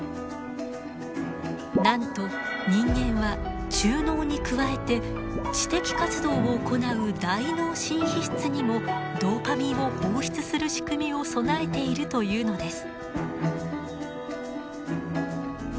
なんと人間は中脳に加えて知的活動を行う大脳新皮質にもドーパミンを放出する仕組みを備えているというのです。